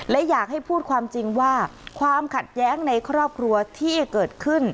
และอยากให้พูดความจริงว่าความขัดแย้งในครอบครัวที่เกิดขึ้น